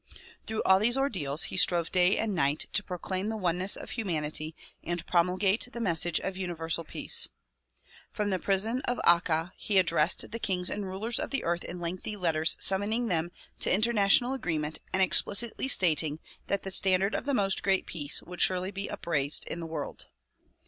Through all these ordeals he strove day and night to proclaim the oneness of humanity and promulgate the message of Universal Peace. From the prison of Akka he addressed the kings and rulers of the earth in lengthy letters summoning them to international agreement and explicity stating that the standard of the "Most Great Peace" would surely be upraised in the world.